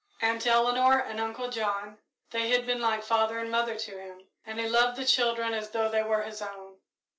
Aunt Eleanor and Uncle John they had been like father and mother to him, and he loved the children as though they were his own.